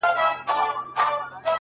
د لاسونو په پياله کې اوښکي راوړې،